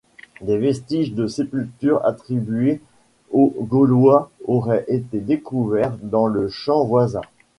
Des vestiges de sépultures attribuées aux Gaulois auraient été découverts dans le champ voisin.